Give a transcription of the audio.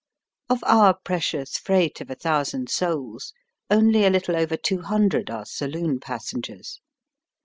Of our precious freight of a thousand souls, only a Uttle over two hundred are saloon pas sengers.